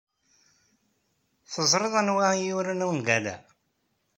Teẓriḍ anwa i yuran ungal-a?